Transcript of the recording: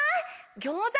ギョーザ